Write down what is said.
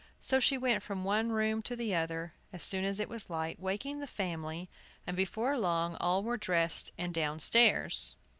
So she went from one room to the other, as soon as it was light, waking the family, and before long all were dressed and downstairs.